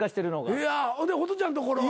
ほんでホトちゃんのところは？